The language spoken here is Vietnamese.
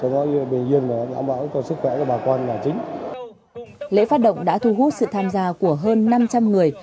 lễ phát động đã thu hút sự tham gia của hơn năm trăm linh người